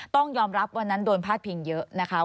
ต้องยอมรับวันนั้นโดนพาดพิงเยอะนะคะ